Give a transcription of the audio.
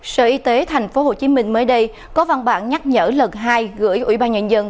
sở y tế tp hcm mới đây có văn bản nhắc nhở lần hai gửi ủy ban nhân dân